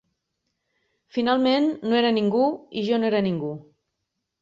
Finalment, no era ningú, i jo no era ningú.